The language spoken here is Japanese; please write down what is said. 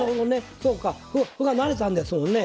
そうか歩が成れたんですもんね。